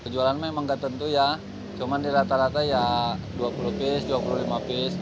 kejualan memang gak tentu ya cuman di rata rata ya dua puluh piece dua puluh lima piece gitu per hari